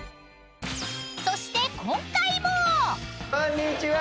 ［そして今回も］こんにちは。